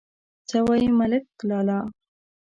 _څه وايي ملک لالا!